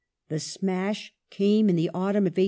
The smash came in the autumn of 1847.